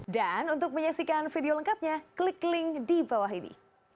dan untuk menyaksikan video lengkapnya klik link di bawah ini